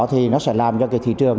thì nó sẽ làm cho cái thị trường